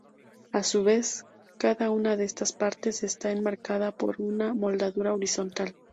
A su vez, cada una de estas partes está enmarcada por una moldura horizontal.